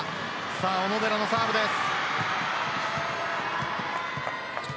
さあ小野寺のサーブです。